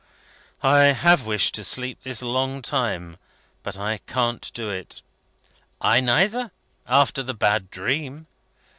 "I have wished to sleep this long time, but I can't do it." "I neither, after the bad dream.